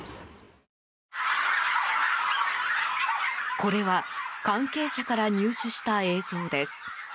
これは関係者から入手した映像です。